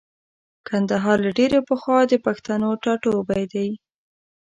کندهار له ډېرې پخوانه د پښتنو ټاټوبی دی.